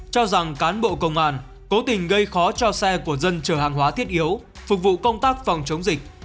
cho rằng cán bộ công an cố tình gây khó cho xe của dân chở hàng hóa thiết yếu phục vụ công tác phòng chống dịch